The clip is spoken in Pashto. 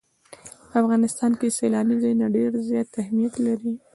په افغانستان کې سیلاني ځایونه ډېر زیات اهمیت لري.